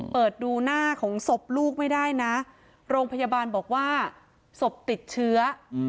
เปิดดูหน้าของศพลูกไม่ได้นะโรงพยาบาลบอกว่าศพติดเชื้อ